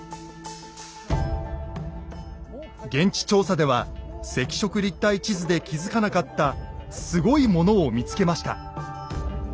現地調査では赤色立体地図で気付かなかったすごいものを見つけました。